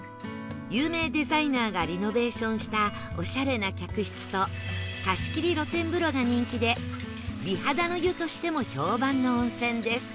有名デザイナーがリノベーションしたオシャレな客室と貸し切り露天風呂が人気で美肌の湯としても評判の温泉です